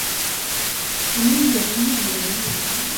sinigeze nkunda noheri